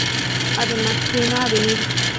Además, de una avenida.